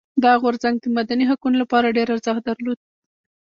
دا غورځنګ د مدني حقونو لپاره ډېر ارزښت درلود.